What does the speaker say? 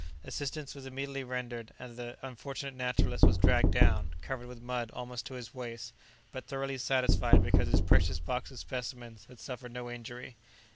Assistance was immediately rendered, and the unfortunate naturalist was dragged out, covered with mud almost to his waist, but thoroughly satisfied because his precious box of specimens had suffered no injury.